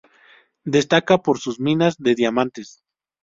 Destaca por sus minas de diamantes.